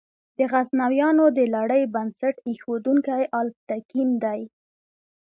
د غزنویانو د لړۍ بنسټ ایښودونکی الپتکین دی.